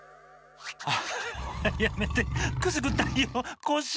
ハハやめてくすぐったいよコッシー。